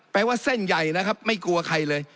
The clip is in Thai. ว่าเส้นใหญ่นะครับไม่กลัวใครเลย